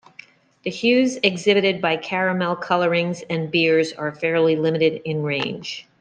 The hues exhibited by caramel colorings and beers are fairly limited in range.